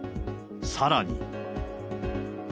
さらに。